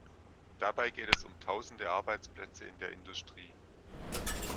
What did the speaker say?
Dabei geht es um Tausende Arbeitsplätze in der Industrie.